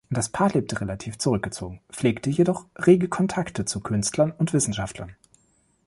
Das Paar lebte relativ zurückgezogen, pflegte jedoch rege Kontakte zu Künstlern und Wissenschaftlern.